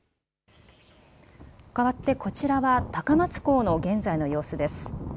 かわってこちらは高松港の現在の様子です。